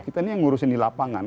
kita ini yang ngurusin di lapangan